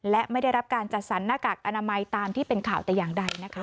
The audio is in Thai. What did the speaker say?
และไม่ได้รับการจัดสรรหน้ากากอนามัยตามที่เป็นข่าวแต่อย่างใดนะคะ